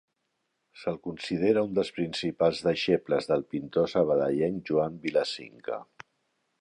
Se'l considera un dels principals deixebles del pintor sabadellenc Joan Vila Cinca.